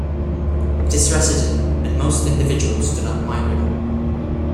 It is resident, and most individuals do not migrate.